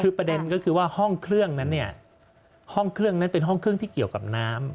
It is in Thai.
คือประเด็นก็คือว่าห้องเครื่องนั้นเนี่ยห้องเครื่องนั้นเป็นห้องเครื่องที่เกี่ยวกับน้ำ